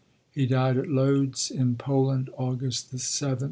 He died at Lodes, in Poland, August 7, 1867.